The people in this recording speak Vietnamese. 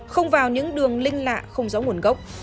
không vào những đường link lạ không rõ nguồn gốc